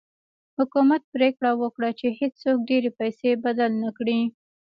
حکومت پرېکړه وکړه چې هېڅوک ډېرې پیسې بدل نه کړي.